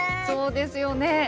そうですよね。